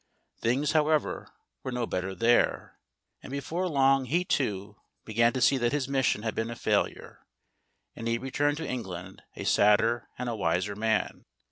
Things, however, were no better there, and before long he too began to see that his mission had been a failure, and he returned to England a sadder and a wiser man.